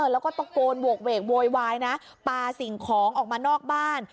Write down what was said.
แล้วก็ตะโกนโหกเวกโวยวายนะปลาสิ่งของออกมานอกบ้าน